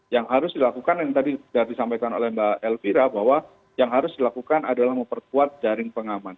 yang harus dilakukan yang tadi sudah disampaikan oleh mbak elvira bahwa yang harus dilakukan adalah memperkuat jaring pengaman